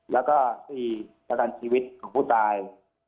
แล้วก็๔ประกันชีวิตของผู้ตาย